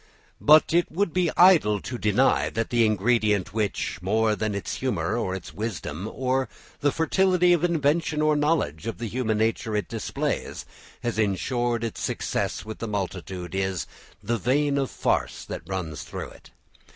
But it would be idle to deny that the ingredient which, more than its humour, or its wisdom, or the fertility of invention or knowledge of human nature it displays, has insured its success with the multitude, is the vein of farce that runs through it.